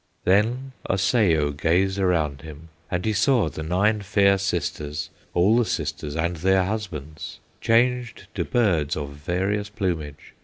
"Then Osseo gazed around him, And he saw the nine fair sisters, All the sisters and their husbands, Changed to birds of various plumage.